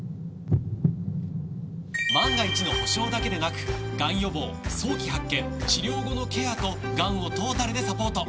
万が一の保障だけでなくがん予防早期発見治療後のケアとがんをトータルでサポート！